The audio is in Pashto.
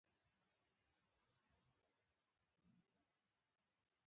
د اسلامي فرقو په منځ کې کُلي احکام.